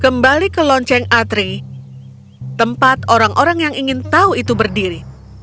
kembali ke lonceng atri tempat orang orang yang ingin tahu itu berdiri